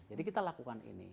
jadi kita lakukan ini